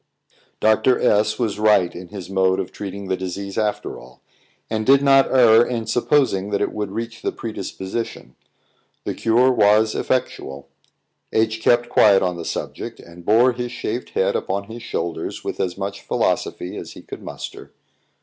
Dr. S was right in his mode of treating the disease after all, and did not err in supposing that it would reach the predisposition. The cure was effectual. H kept quiet on the subject, and bore his shaved head upon his shoulders with as much philosophy as he could muster.